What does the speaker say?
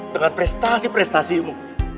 dengan prestasi prestasi mu